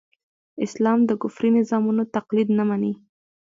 اسلام د کفري نظامونو تقليد نه مني.